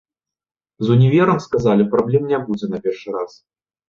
З універам, сказалі, праблем не будзе на першы раз.